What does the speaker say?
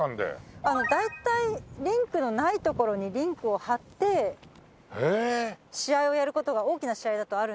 大体リンクのない所にリンクを張って試合をやる事が大きな試合だとあるんです。